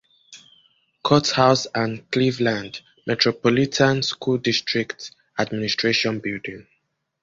Courthouse, and the Cleveland Metropolitan School District administration building.